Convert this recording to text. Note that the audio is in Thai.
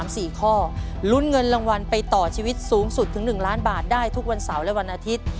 สูงสุดถึง๑ล้านบาทได้ทุกวันเสาร์และวันอาทิตย์